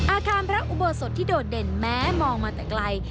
อาคารพระอุโบสถที่โดดเด่นแม้มองมาแต่ไกล